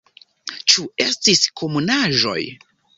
Ĉu estis komunaĵoj?